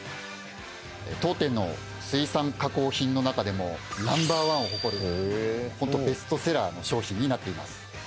当店の水産加工品の中でもナンバーワンを誇るホントベストセラーの商品になっています。